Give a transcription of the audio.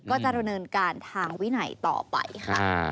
ก็จะดำเนินการทางวินัยต่อไปค่ะ